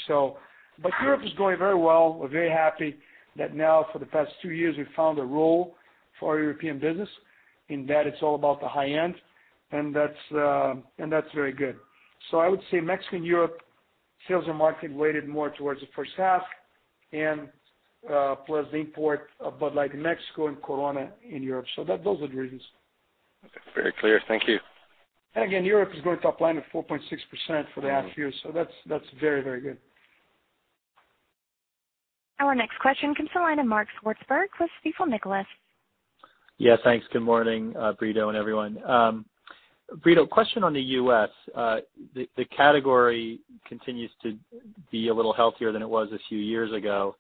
Europe is growing very well. We're very happy that now for the past two years, we've found a role for our European business in that it's all about the high end, and that's very good. I would say Mexico and Europe, sales and marketing weighted more towards the first half and, plus the import of Bud Light in Mexico and Corona in Europe. Those are the reasons. Very clear. Thank you. Again, Europe is growing top line of 4.6% for the half year, so that's very good. Our next question comes to the line of Mark Swartzberg with Stifel Nicolaus. Yes, thanks. Good morning, Brito and everyone. Brito, question on the U.S. The category continues to be a little healthier than it was a few years ago.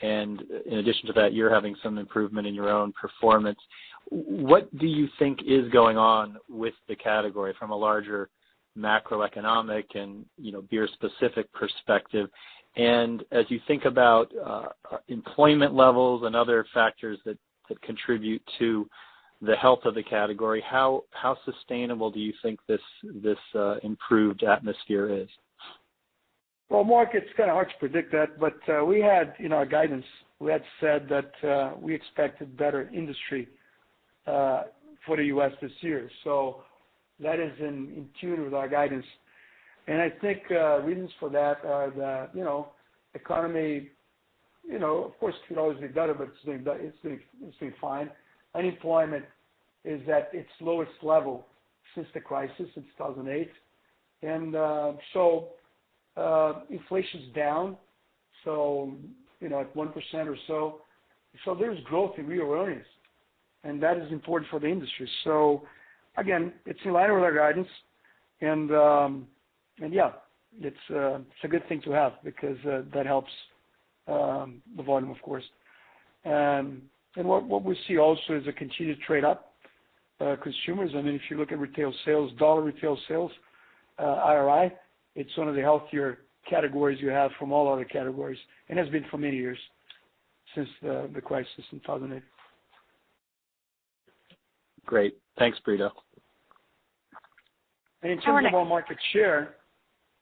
In addition to that, you're having some improvement in your own performance. What do you think is going on with the category from a larger macroeconomic and beer-specific perspective? As you think about employment levels and other factors that contribute to the health of the category, how sustainable do you think this improved atmosphere is? Well, Mark, it's kind of hard to predict that, but we had in our guidance, we had said that we expected better industry for the U.S. this year. That is in tune with our guidance. I think reasons for that are the economy, of course, it could always be better, but it's doing fine. Unemployment is at its lowest level since the crisis in 2008. Inflation's down at 1% or so. There's growth in real earnings, and that is important for the industry. Again, it's in line with our guidance. Yeah, it's a good thing to have because that helps the volume, of course. What we see also is a continued trade up. Consumers, if you look at retail sales, dollar retail sales, IRI, it's one of the healthier categories you have from all other categories, and has been for many years since the crisis in 2008. Great. Thanks, Brito. Our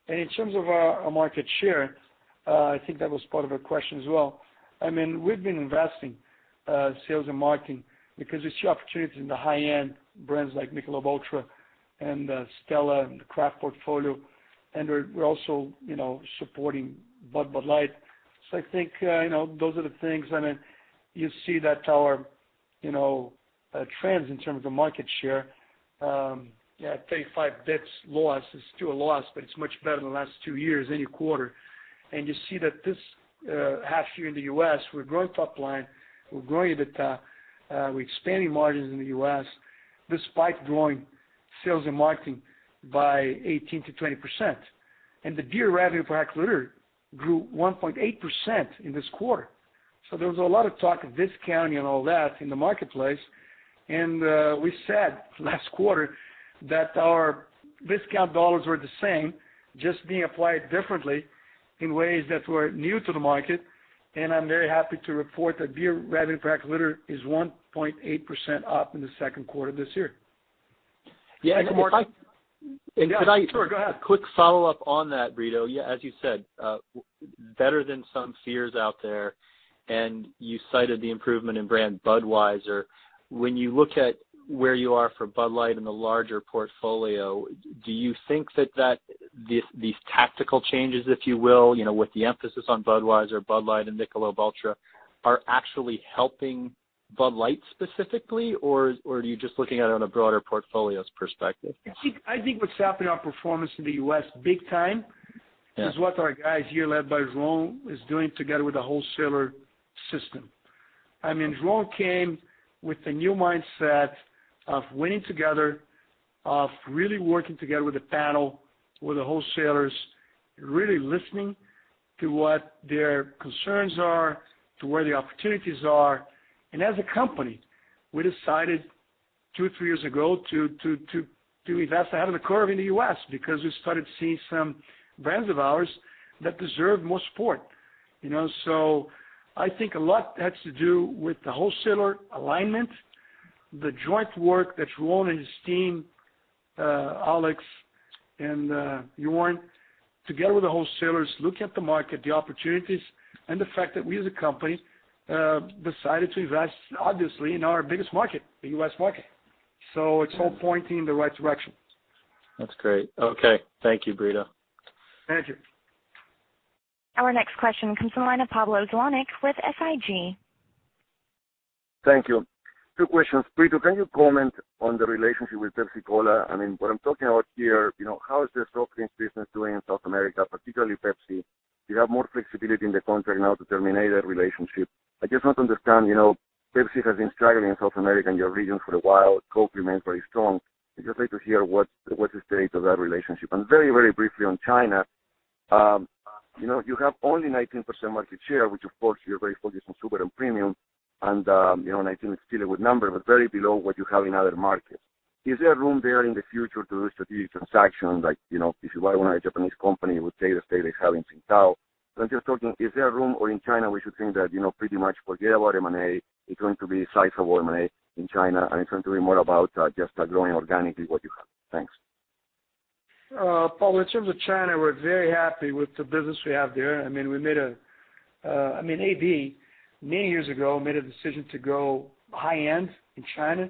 next. In terms of our market share, I think that was part of the question as well. We’ve been investing sales and marketing because we see opportunities in the high-end brands like Michelob ULTRA and Stella and the craft portfolio. We’re also supporting Bud/Bud Light. I think those are the things. You see that our trends in terms of market share, yeah, 35 basis points loss is still a loss, but it’s much better than the last 2 years in a quarter. You see that this half year in the U.S., we’re growing top line, we’re growing EBITDA, we’re expanding margins in the U.S. despite growing sales and marketing by 18%-20%. The beer revenue per hectoliter grew 1.8% in this quarter. There was a lot of talk of discounting and all that in the marketplace. We said last quarter that our discount dollars were the same, just being applied differently in ways that were new to the market. I’m very happy to report that beer revenue per hectoliter is 1.8% up in the second quarter this year. Yeah. Yeah, sure. Go ahead. Quick follow-up on that, Brito. As you said, better than some fears out there, and you cited the improvement in brand Budweiser. When you look at where you are for Bud Light in the larger portfolio, do you think that these tactical changes, if you will, with the emphasis on Budweiser, Bud Light, and Michelob ULTRA, are actually helping Bud Light specifically, or are you just looking at it on a broader portfolio's perspective? I think what's happened, our performance in the U.S. big time. Yeah Is what our guys here, led by João, is doing together with the wholesaler system. João came with a new mindset of winning together, of really working together with the panel, with the wholesalers, really listening to what their concerns are, to where the opportunities are. As a company, we decided two, three years ago to invest ahead of the curve in the U.S. because we started seeing some brands of ours that deserve more support. I think a lot has to do with the wholesaler alignment, the joint work that João and his team, Alex and Jorn, together with the wholesalers, look at the market, the opportunities, and the fact that we as a company decided to invest, obviously, in our biggest market, the U.S. market. It's all pointing in the right direction. That's great. Okay. Thank you, Brito. Thank you. Our next question comes from the line of Pablo Zuanic with SIG. Thank you. Two questions. Brito, can you comment on the relationship with Pepsi-Cola? What I'm talking about here, how is the soft drinks business doing in South America, particularly Pepsi? Do you have more flexibility in the contract now to terminate that relationship? I just want to understand, Pepsi has been struggling in South America, in your region, for a while. Coke remains very strong. I'd just like to hear what's the state of that relationship. Very briefly on China You have only 19% market share, which of course you're very focused on super and premium, and 19 is still a good number, but very below what you have in other markets. Is there room there in the future to do strategic transactions, like, if you buy one of the Japanese company with Tata Steel is having Tsingtao? Is there room or in China, we should think that, pretty much forget about M&A, it's going to be sizable M&A in China, and it's going to be more about just growing organically what you have? Thanks. Pablo, in terms of China, we're very happy with the business we have there. I mean, AB, many years ago, made a decision to go high-end in China.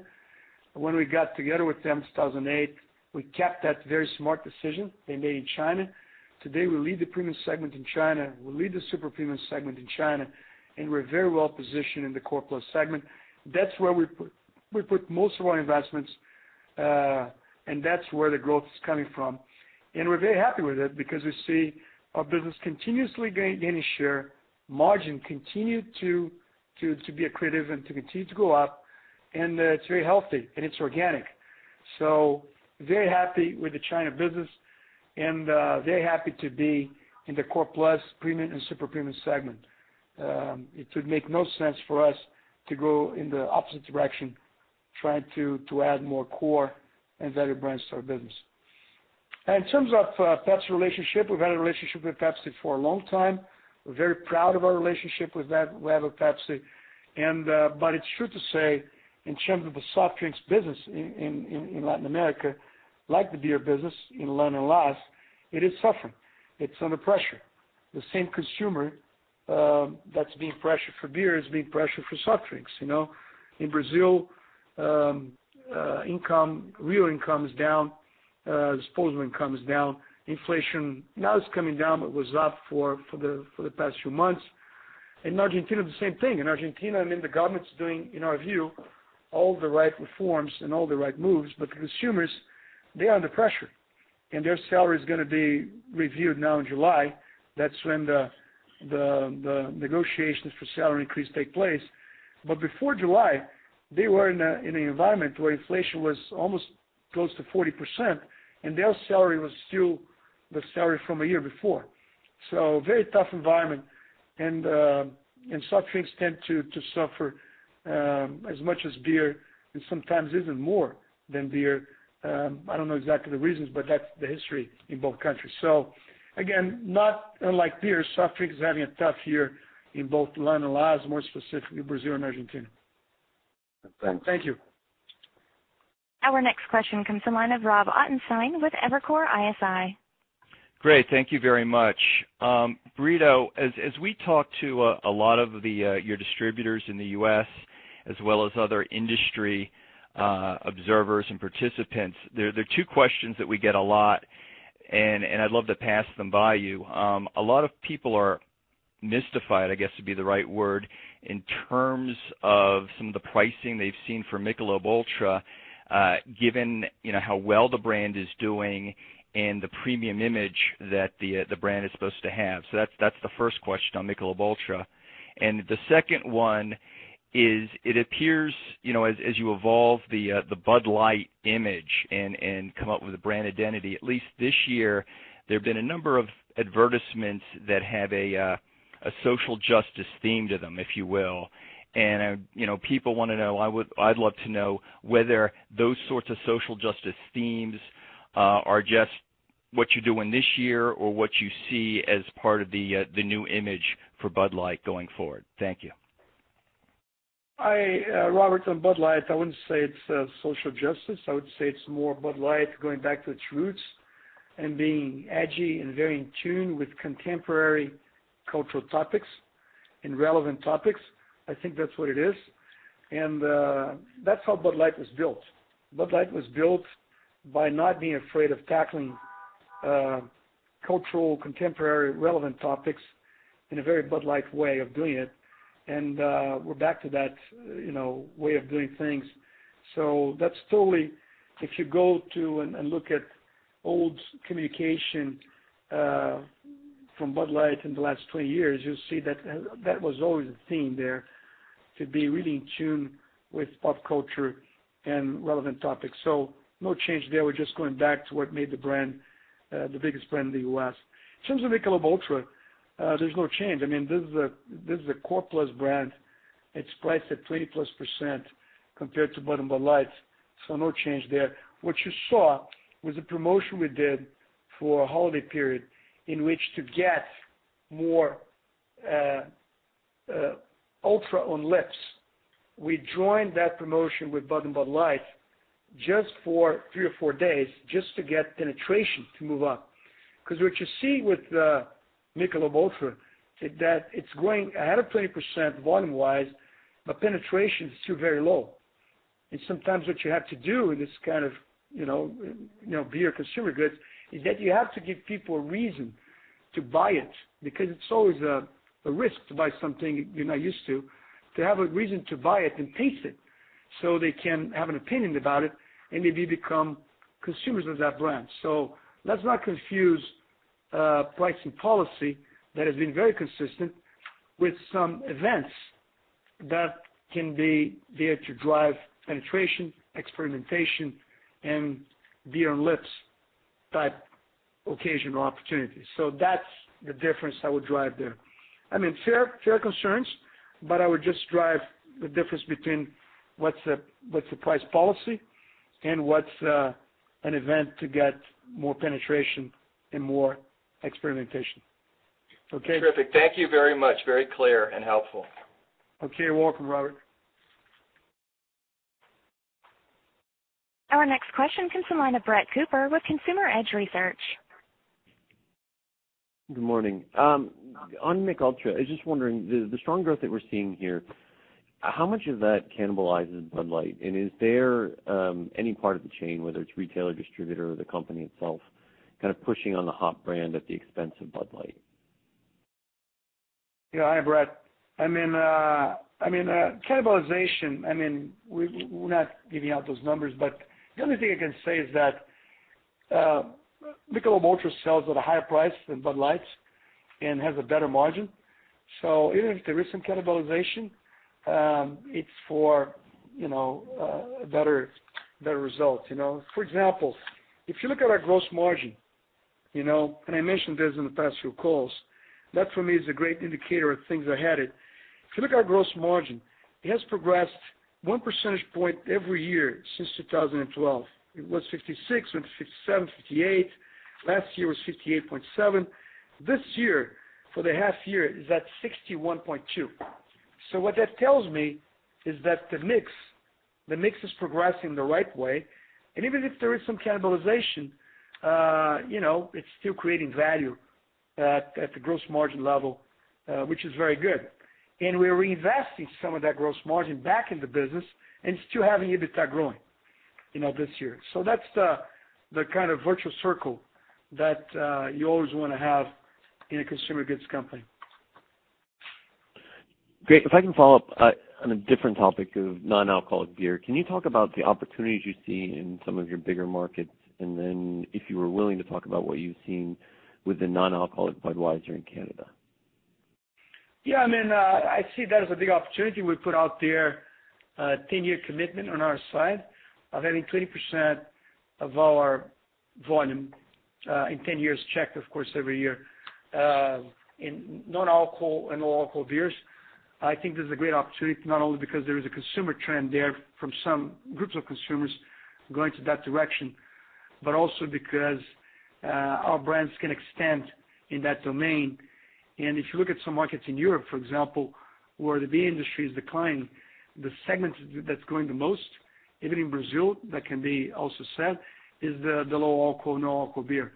When we got together with them in 2008, we kept that very smart decision they made in China. Today, we lead the premium segment in China, we lead the super-premium segment in China, and we're very well-positioned in the core plus segment. That's where we put most of our investments, and that's where the growth is coming from. We're very happy with it because we see our business continuously gaining share, margin continue to be accretive and to continue to go up, and it's very healthy and it's organic. Very happy with the China business and very happy to be in the core plus premium and super-premium segment. It would make no sense for us to go in the opposite direction, trying to add more core and value brands to our business. In terms of Pepsi relationship, we've had a relationship with Pepsi for a long time. We're very proud of our relationship we have with Pepsi. It's true to say, in terms of the soft drinks business in Latin America, like the beer business in Latin America, it is suffering. It's under pressure. The same consumer that's being pressured for beer is being pressured for soft drinks. In Brazil, real income is down, disposable income is down. Inflation now is coming down, but was up for the past few months. In Argentina, the same thing. In Argentina, I mean, the government's doing, in our view, all the right reforms and all the right moves, but the consumers, they are under pressure, and their salary is going to be reviewed now in July. That's when the negotiations for salary increase take place. Before July, they were in an environment where inflation was almost close to 40%, and their salary was still the salary from a year before. Very tough environment, and soft drinks tend to suffer as much as beer, and sometimes even more than beer. I don't know exactly the reasons, but that's the history in both countries. Again, not unlike beer, soft drinks is having a tough year in both Latin America, more specifically Brazil and Argentina. Thanks. Thank you. Our next question comes from the line of Rob Ottenstein with Evercore ISI. Great. Thank you very much. Brito, as we talk to a lot of your distributors in the U.S. as well as other industry observers and participants, there are two questions that we get a lot, and I'd love to pass them by you. A lot of people are mystified, I guess would be the right word, in terms of some of the pricing they've seen for Michelob ULTRA, given how well the brand is doing and the premium image that the brand is supposed to have. That's the first question on Michelob ULTRA. The second one is, it appears, as you evolve the Bud Light image and come up with a brand identity, at least this year, there have been a number of advertisements that have a social justice theme to them, if you will. People want to know, I'd love to know whether those sorts of social justice themes are just what you're doing this year or what you see as part of the new image for Bud Light going forward. Thank you. Hi, Robert. On Bud Light, I wouldn't say it's social justice. I would say it's more Bud Light going back to its roots and being edgy and very in tune with contemporary cultural topics and relevant topics. I think that's what it is. That's how Bud Light was built. Bud Light was built by not being afraid of tackling cultural, contemporary, relevant topics in a very Bud Light way of doing it. We're back to that way of doing things. That's totally, if you go to and look at old communication from Bud Light in the last 20 years, you'll see that was always a theme there, to be really in tune with pop culture and relevant topics. No change there. We're just going back to what made the brand the biggest brand in the U.S. In terms of Michelob ULTRA, there's no change. I mean, this is a core plus brand. It's priced at 20-plus% compared to Bud and Bud Light, no change there. What you saw was a promotion we did for a holiday period in which to get more ULTRA on lips. We joined that promotion with Bud and Bud Light just for three or four days, just to get penetration to move up. What you see with Michelob ULTRA is that it's growing ahead of 20% volume-wise, but penetration is still very low. Sometimes what you have to do in this kind of beer consumer goods, is that you have to give people a reason to buy it, because it's always a risk to buy something you're not used to. To have a reason to buy it and taste it so they can have an opinion about it and maybe become consumers of that brand. Let's not confuse pricing policy that has been very consistent with some events that can be there to drive penetration, experimentation, and beer on lips type occasional opportunities. That's the difference I would drive there. Fair concerns, I would just drive the difference between what's the price policy and what's an event to get more penetration and more experimentation. Okay? Terrific. Thank you very much. Very clear and helpful. Okay. You're welcome, Robert. Our next question comes from the line of Brett Cooper with Consumer Edge Research. Good morning. On Michelob ULTRA, I was just wondering, the strong growth that we're seeing here, how much of that cannibalizes Bud Light? Is there any part of the chain, whether it's retailer, distributor, or the company itself, kind of pushing on the hot brand at the expense of Bud Light? Yeah. Hi, Brett. Cannibalization, we're not giving out those numbers, but the only thing I can say is that Michelob ULTRA sells at a higher price than Bud Light and has a better margin. Even if there is some cannibalization, it's for better results. For example, if you look at our gross margin, and I mentioned this in the past few calls, that for me is a great indicator of things ahead. If you look at our gross margin, it has progressed one percentage point every year since 2012. It was 66%, went to 67%, 68%. Last year was 68.7%. This year, for the half year, is at 61.2%. What that tells me is that the mix is progressing the right way, and even if there is some cannibalization, it's still creating value at the gross margin level, which is very good. We're reinvesting some of that gross margin back in the business and still having EBITDA growing this year. That's the kind of virtual circle that you always want to have in a consumer goods company. Great. If I can follow up on a different topic of non-alcoholic beer. Can you talk about the opportunities you see in some of your bigger markets? If you were willing to talk about what you've seen with the non-alcoholic Budweiser in Canada? I see that as a big opportunity. We put out there a 10-year commitment on our side of having 20% of our volume in 10 years checked, of course, every year, in non-alcohol and low-alcohol beers. I think this is a great opportunity, not only because there is a consumer trend there from some groups of consumers going to that direction, but also because our brands can extend in that domain. If you look at some markets in Europe, for example, where the beer industry is declining, the segment that's growing the most, even in Brazil, that can be also said, is the low-alcohol, no-alcohol beer.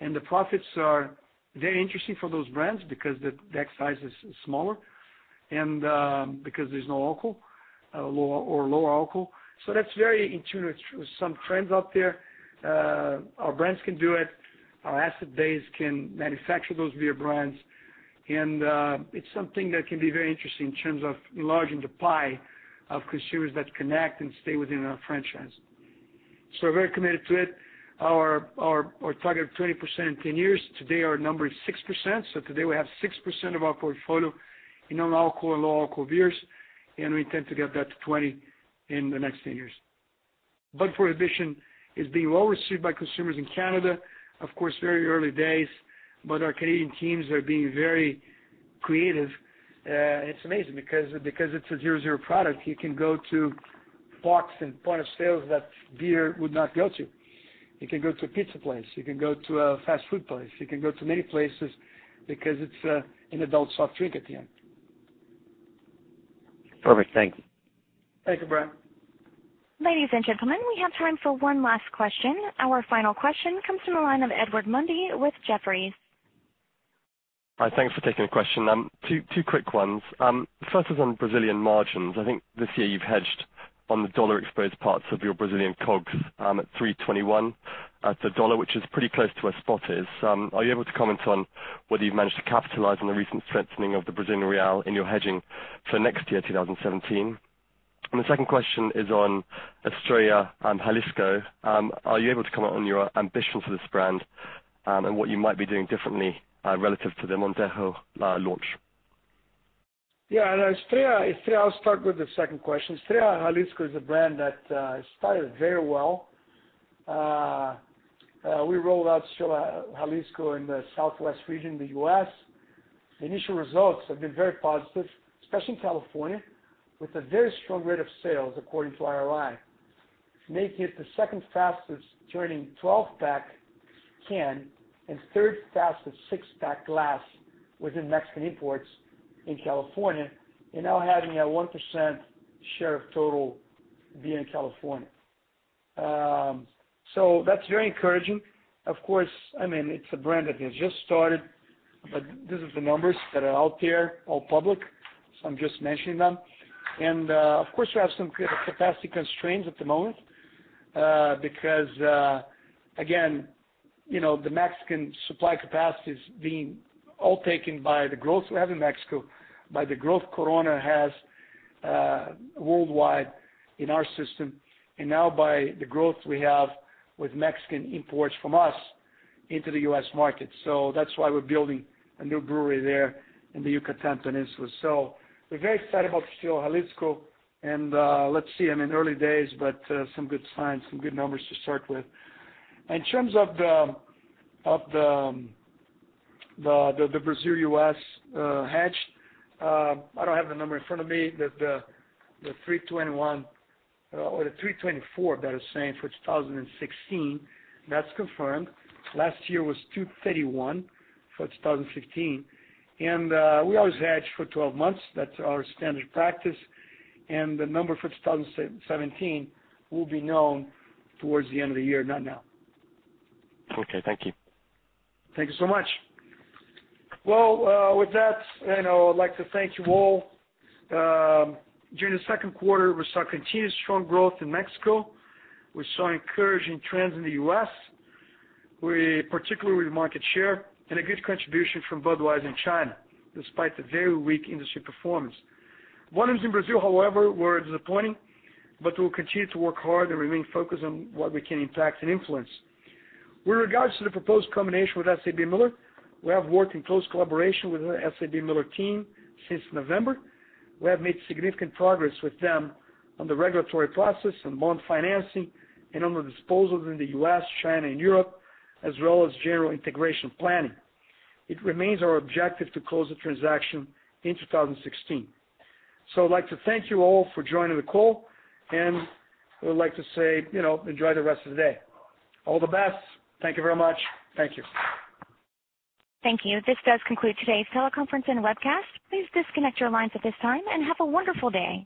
The profits are very interesting for those brands because the deck size is smaller and because there's no alcohol or lower alcohol. That's very in tune with some trends out there. Our brands can do it. Our asset base can manufacture those beer brands. It's something that can be very interesting in terms of enlarging the pie of consumers that connect and stay within our franchise. We're very committed to it. Our target of 20% in 10 years. Today, our number is 6%. Today we have 6% of our portfolio in non-alcohol and low-alcohol beers, and we intend to get that to 20 in the next 10 years. Bud Prohibition is being well received by consumers in Canada. Of course, very early days, but our Canadian teams are being very creative. It's amazing because it's a zero-zero product. You can go to parks and point of sales that beer would not go to. It can go to a pizza place. It can go to a fast food place. It can go to many places because it's an adult soft drink at the end. Perfect. Thank you. Thank you, Brett. Ladies and gentlemen, we have time for one last question. Our final question comes from the line of Edward Mundy with Jefferies. Hi, thanks for taking the question. Two quick ones. First is on Brazilian margins. I think this year you've hedged on the dollar-exposed parts of your Brazilian COGS at $321 at the dollar, which is pretty close to where spot is. Are you able to comment on whether you've managed to capitalize on the recent strengthening of the Brazilian real in your hedging for next year, 2017? The second question is on Estrella Jalisco. Are you able to comment on your ambition for this brand and what you might be doing differently relative to the Montejo launch? Yeah. Estrella, I'll start with the second question. Estrella Jalisco is a brand that started very well. We rolled out Estrella Jalisco in the southwest region of the U.S. The initial results have been very positive, especially in California, with a very strong rate of sales according to IRI. Making it the second fastest turning 12-pack can and third fastest six-pack glass within Mexican imports in California, and now having a 1% share of total beer in California. That's very encouraging. Of course, it's a brand that has just started, but these are the numbers that are out there, all public, so I'm just mentioning them. Of course, we have some capacity constraints at the moment because again, the Mexican supply capacity is being all taken by the growth we have in Mexico, by the growth Corona has worldwide in our system, and now by the growth we have with Mexican imports from us. Into the U.S. market. That's why we're building a new brewery there in the Yucatán Peninsula. We're very excited about Tequila, Jalisco, and let's see. In early days, but some good signs, some good numbers to start with. In terms of the Brazil-U.S. hedge, I don't have the number in front of me. The 321 or the 324, better saying, for 2016, that's confirmed. Last year was 231 for 2015. We always hedge for 12 months. That's our standard practice. The number for 2017 will be known towards the end of the year, not now. Okay, thank you. Thank you so much. Well, with that, I'd like to thank you all. During the second quarter, we saw continued strong growth in Mexico. We saw encouraging trends in the U.S., particularly with market share, and a good contribution from Budweiser in China, despite the very weak industry performance. Volumes in Brazil, however, were disappointing, but we will continue to work hard and remain focused on what we can impact and influence. With regards to the proposed combination with SABMiller, we have worked in close collaboration with the SABMiller team since November. We have made significant progress with them on the regulatory process, on bond financing, and on the disposals in the U.S., China, and Europe, as well as general integration planning. It remains our objective to close the transaction in 2016. I'd like to thank you all for joining the call, and I would like to say, enjoy the rest of the day. All the best. Thank you very much. Thank you. Thank you. This does conclude today's teleconference and webcast. Please disconnect your lines at this time and have a wonderful day.